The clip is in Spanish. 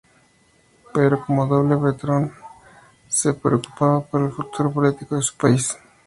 Pero como noble bretón, se preocupaba por el futuro político de su país.